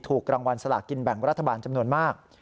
ถูกรางวัลสลากินแบ่งรัฐบาลจำนวนมาก